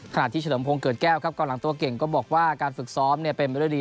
ขณะที่เฉลมพงษ์เกิดแก้วครับกำลังตัวเก่งก็บอกว่าการฝึกซ้อมเป็นเมล็ดดี